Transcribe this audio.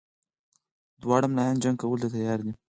دواړه ملایان جنګ کولو ته تیار دي.